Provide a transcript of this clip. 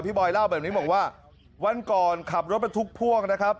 บอยเล่าแบบนี้บอกว่าวันก่อนขับรถบรรทุกพ่วงนะครับ